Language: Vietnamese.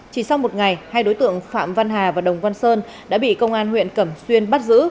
chỉ sau một ngày hai đối tượng phạm văn hà và đồng văn sơn đã bị công an huyện cẩm xuyên bắt giữ